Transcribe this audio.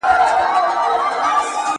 • اصل په گدله کي، کم اصل په گزبره کي.